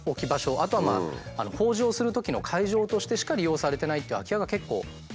あとは法事をするときの会場としてしか利用されてないっていう空き家が結構あるんです。